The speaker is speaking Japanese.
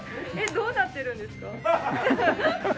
どうなってるんですか？